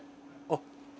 あっ。